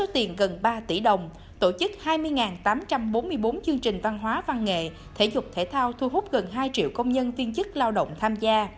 tổ chức hai mươi tám trăm bốn mươi bốn chương trình văn hóa văn nghệ thể dục thể thao thu hút gần hai triệu công nhân tiên chức lao động tham gia